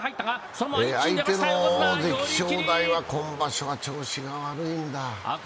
相手の大関・正代は今場所は調子が悪いんだ。